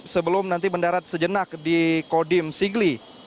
sebelum nanti mendarat sejenak di kodim sigli